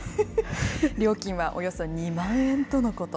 料金はおよそ２万円とのこと。